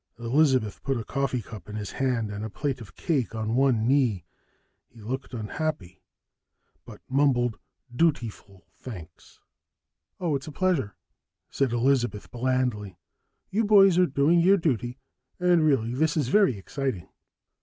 Elizabeth put a coffee cup in his hand and a plate of cake on one knee. He looked unhappy, but mumbled dutiful thanks. "Oh, it's a pleasure," said Elizabeth blandly. "You boys are doing your duty, and really, this is very exciting."